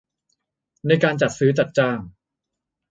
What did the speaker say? ในการจัดซื้อจัดจ้าง